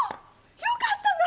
よかったな！